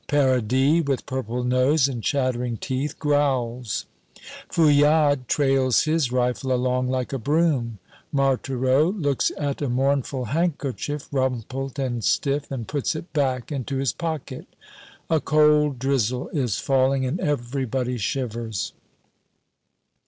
Paradis, with purple nose and chattering teeth, growls. Fouillade trails his rifle along like a broom. Marthereau looks at a mournful handkerchief, rumpled and stiff, and puts it back in his pocket. A cold drizzle is falling, and everybody shivers.